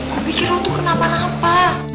gue pikir lu tuh kenapa napa